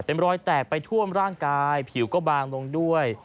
เป็นรอยแตกไปท่วมร่างกายผิวก็บางลงด้วย